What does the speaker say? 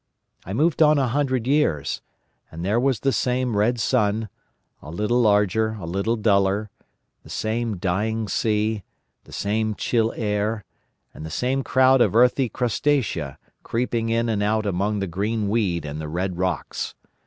I moved on a hundred years, and there was the same red sun—a little larger, a little duller—the same dying sea, the same chill air, and the same crowd of earthy crustacea creeping in and out among the green weed and the red rocks.